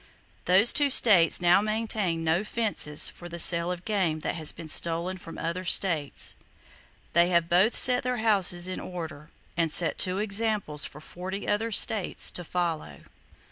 Those two states now maintain no "fences" for the sale of game that has been stolen from other states. They have both set their houses in order, and set two examples for forty other states to follow.